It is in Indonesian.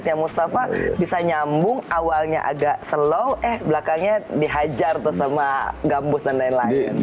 kayak mustafa bisa nyambung awalnya agak slow eh belakangnya dihajar tuh sama gambus dan lain lain